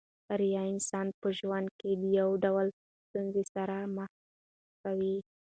ریاء انسان په ژوند کښي د يو ډول ستونزو سره مخ کوي.